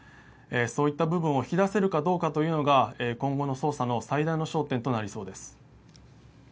そういった部分を引き出せるかどうかが今後の捜査の最大の焦点となりそうです。